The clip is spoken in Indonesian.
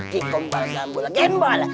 kikombal gambol gembol